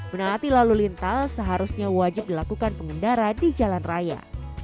menaati lalu lintas seharusnya wajib dilakukan pengendara di jalan raya